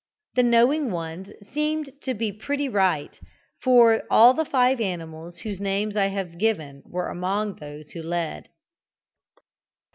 The "knowing ones" seemed to be pretty right, for all the five animals whose names I have given were among those who led.